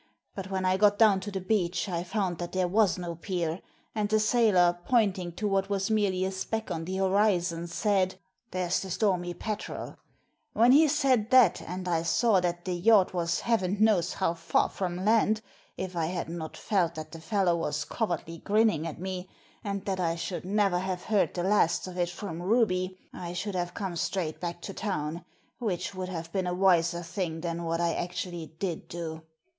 But when I got down to the beach I found that there was no pier, and the sailor, pointing to what was merely a speck on the horizon, said, "There's the Stormy Petreir When he said that, and I saw that the yacht was heaven knows Digitized by VjOOQIC ROBBERY ON THE "STORMY PETREL" 253 how far from land, if I had not felt that the fellow was covertly grinning at me, and that I should never have heard the last of it from Ruby, I should have come straight back to town, which would have been a wiser thing than what I actually did do.